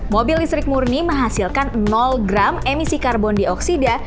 mobil listrik murni menghasilkan gram emisi karbon dioksida